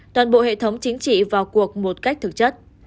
toàn bộ hệ thống chính trị vào cuộc một cách thực chất